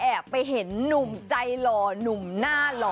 ไปเห็นหนุ่มใจหล่อหนุ่มหน้าหล่อ